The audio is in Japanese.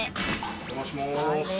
お邪魔します。